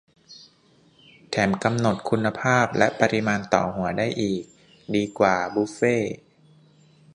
- แถมกำหนดคุณภาพและปริมาณต่อหัวได้อีก ดีกว่าบุฟเฟต์